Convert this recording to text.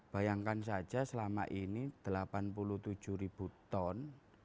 bayangkan saja selama ini delapan puluh tujuh ribu ton